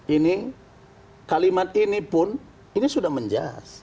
ini kalimat ini pun ini sudah menjahat